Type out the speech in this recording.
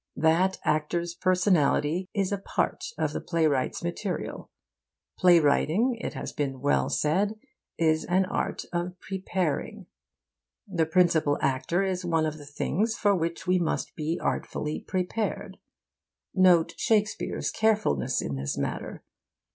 That actor's personality is a part of the playwright's material. Playwriting, it has been well said, is an art of preparing. The principal actor is one of the things for which we must be artfully prepared. Note Shakespeare's carefulness in this matter.